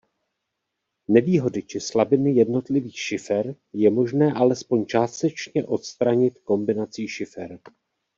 Nevýhody či slabiny jednotlivých šifer je možné alespoň částečně odstranit kombinací šifer.